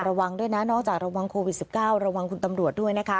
ระวังด้วยนะนอกจากระวังโควิด๑๙ระวังคุณตำรวจด้วยนะคะ